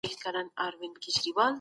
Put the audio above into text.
آزادي اخیستل کیږي ورکول کیږي نه.